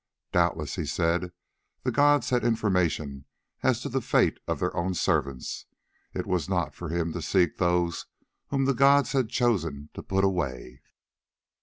"Doubtless," he said, "the gods had information as to the fate of their own servants—it was not for him to seek those whom the gods had chosen to put away."